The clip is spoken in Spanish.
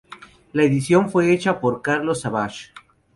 La edición fue hecha por Carlos Savage.